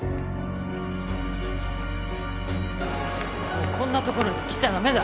もうこんな所に来ちゃダメだ。